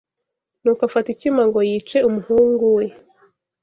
Nuko afata icyuma ngo yice umuhungu we